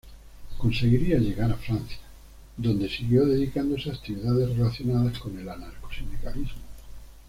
Conseguiría llegar a Francia, donde siguió dedicándose a actividades relacionadas con el anarcosindicalismo.